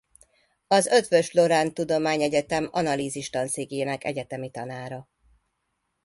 Az Eötvös Loránd Tudományegyetem analízis tanszékének egyetemi tanára.